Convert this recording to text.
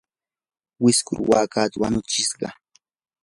wiskur waakata wanutsishqa.